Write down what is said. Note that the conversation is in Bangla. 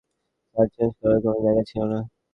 স্যার, চেঞ্জ করার কোন জায়গা ছিল না।